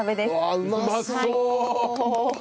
うまそう！